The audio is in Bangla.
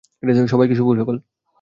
সবাইকেই শুভ সকাল।